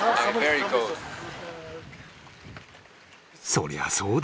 そりゃそうだ